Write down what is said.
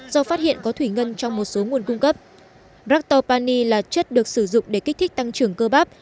do phát hiện có thủy ngân trong một số nguồn cung cấp racor pani là chất được sử dụng để kích thích tăng trưởng cơ bắp